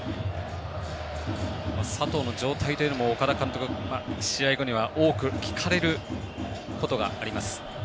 佐藤の状態というのも岡田監督は試合後には多く聞かれることがあります。